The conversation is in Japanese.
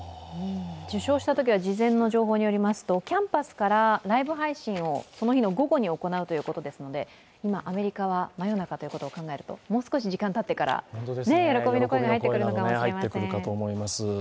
受賞したときは、事前の情報によりますとキャンパスからライブ配信をその日の午後に行うということですので今、アメリカは真夜中ということを考えるともう少し時間がたってから喜びの声が入ってくるかもしれません。